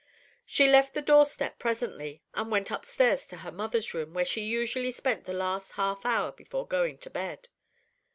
She left the door step presently, and went upstairs to her mother's room, where she usually spent the last half hour before going to bed.